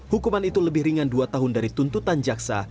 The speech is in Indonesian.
hukuman itu lebih ringan dua tahun dari tuntutan jaksa